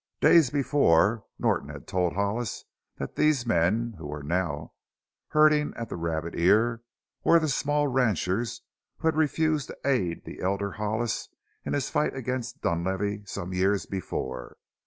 Days before Norton had told Hollis that these men who were now herding at the Rabbit Ear were the small ranchers who had refused to aid the elder Hollis in his fight against Dunlavey some years before.